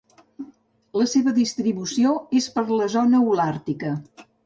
La seva distribució és per la zona holàrtica.